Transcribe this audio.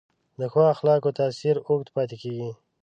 د ښو اخلاقو تاثیر اوږد پاتې کېږي.